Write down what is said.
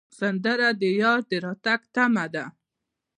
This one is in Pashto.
سندره د یار د راتګ تمه ده